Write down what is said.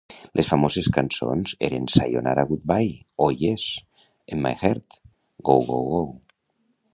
Les famoses cançons eren "Sayonara Goodbye", "Oh Yes", "In My Heart", "Go Go Go!